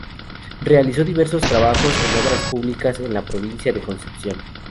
Realizó diversos trabajos en obras públicas en la Provincia de Concepción.